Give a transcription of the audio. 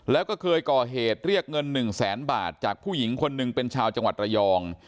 แล้วก็เคยก่อเหตุเรียกเงิน๑แสนบาทจากผู้หญิงคนหนึ่งเป็นชาวจังหวัดระยอง